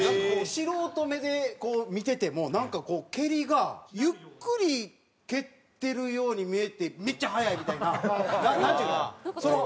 素人目で見ててもなんかこう蹴りがゆっくり蹴ってるように見えてめっちゃ速い！みたいな。なんていうの？